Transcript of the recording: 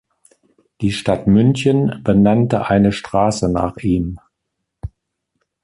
Die Stadt München benannte eine Straße nach ihm.